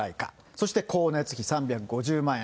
そして光熱費３５０万円。